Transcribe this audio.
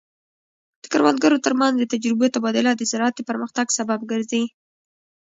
د کروندګرو ترمنځ د تجربو تبادله د زراعت د پرمختګ سبب ګرځي.